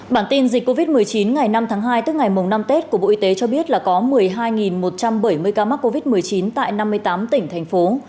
bản tin dịch covid một mươi chín ngày năm tháng hai tức ngày mùng năm tết của bộ y tế cho biết là có một mươi hai một trăm bảy mươi ca mắc covid một mươi chín tại năm mươi tám tỉnh thành phố